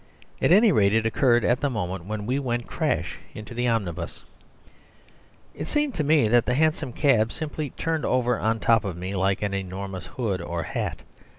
At any rate, it occurred at the moment when we went crash into the omnibus. It seemed to me that the hansom cab simply turned over on top of me, like an enormous hood or hat.